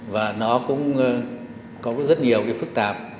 và nó cũng có rất nhiều cái phức tạp